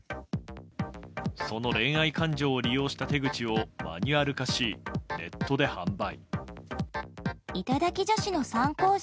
その恋愛感情を利用した手口をマニュアル化しネットで販売。